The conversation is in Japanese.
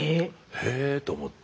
へえと思って。